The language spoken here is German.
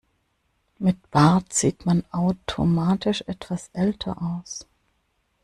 Mit Bart sieht man automatisch etwas älter aus.